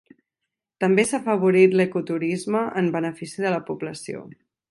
També s'ha afavorit l'ecoturisme en benefici de la població.